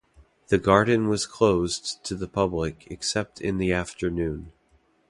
The garden was closed to the public except in the afternoon.